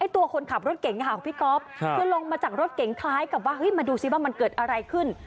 ตัวคนขับรถเก่งค่ะของพี่ก๊อฟคือลงมาจากรถเก๋งคล้ายกับว่ามาดูซิว่ามันเกิดอะไรขึ้น